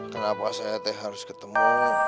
kenapa saya harus ketemu